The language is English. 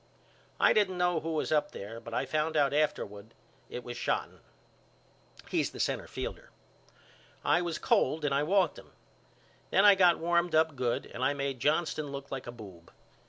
I didn't know who was up there but I found out afterward it was Shotten. He's the centerfielder. I was cold and I walked him. Then I got warmed up good and I made Johnston look like a boob.